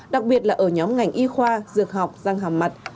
đặc biệt là ở nhóm ngành y khoa dược học răng hàm mặt